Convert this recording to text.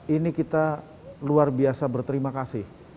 ini kita luar biasa berterima kasih